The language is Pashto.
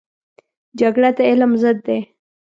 جګړه د علم ضد دی